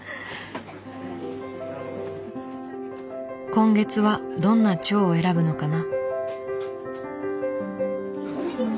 今月はどんなチョウを選ぶのかな。